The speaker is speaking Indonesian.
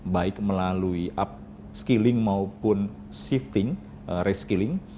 baik melalui upskilling maupun shifting reskilling